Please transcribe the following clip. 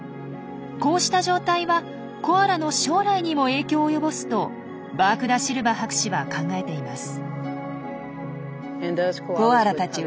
こうした状態はコアラの将来にも影響を及ぼすとバーク・ダ・シルバ博士は考えています。